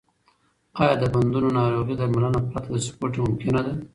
آیا د بندونو ناروغي درملنه پرته له سپورت ممکنه ده؟